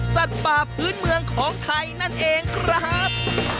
สัตว์ป่าพื้นเมืองของไทยนั่นเองครับ